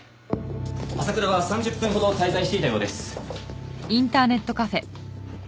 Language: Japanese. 朝倉は３０分ほど滞在していたようです。